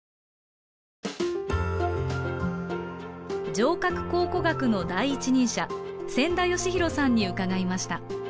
城郭考古学者の第一人者千田嘉博さんに伺いました。